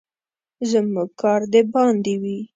زموږ کار د باندې وي.